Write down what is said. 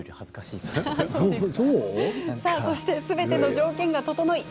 そして、すべての条件が整い